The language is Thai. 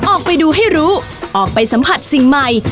ออกไปดูให้รู้ออกไปสัมผัสสิ่งใหม่